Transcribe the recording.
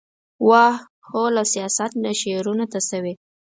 واه ! هو له سياست نه شعرونو ته شوې ،